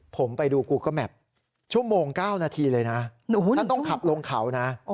ผมไปดูกูก็แบบชั่วโมง๙นาทีเลยนะถ้าต้องขับลงเขานะ